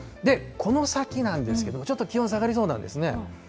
この先なんですけれども、ちょっと気温下がりそうなんですね。